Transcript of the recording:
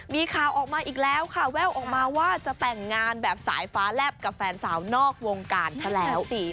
มีข่าวออกมาอีกแล้วค่ะแว่วออกมาว่าจะแต่งงานแบบสายฟ้าแลบกับแฟนสาวนอกวงการซะแล้ว